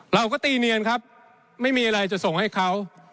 เราก็ตีเนียนครับไม่มีอะไรจะส่งให้เขา